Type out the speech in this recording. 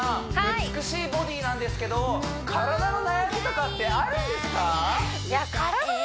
美しいボディーなんですけど体の悩みとかってあるんですか？